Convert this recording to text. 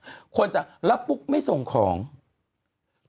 คุณหนุ่มกัญชัยได้เล่าใหญ่ใจความไปสักส่วนใหญ่แล้ว